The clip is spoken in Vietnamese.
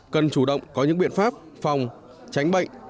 cần chủ động có những biện pháp phòng tránh bệnh